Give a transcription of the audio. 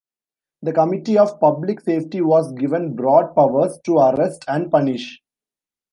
The Committee of Public Safety was given broad powers to arrest and punish.